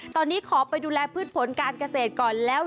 ตอนนี้ขอไปดูแลพืชผลการเกษตรก่อนแล้ว